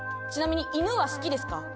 ちなみに犬は好きですか？